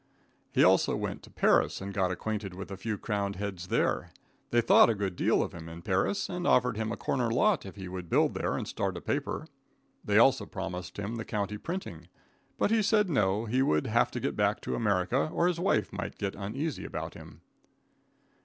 He also went to Paris and got acquainted with a few crowned heads there. They thought a good deal of him in Paris, and offered him a corner lot if he would build there and start a paper. They also promised him the county printing, but he said no, he would have to go back to America, or his wife might get uneasy about him.